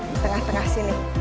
di tengah tengah sini